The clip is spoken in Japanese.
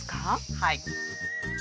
はい。